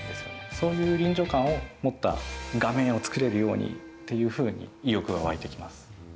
そういう臨場感を持った画面を作れるようにっていうふうに、意欲が湧いてきます。